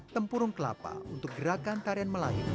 tempurung kelapa untuk gerakan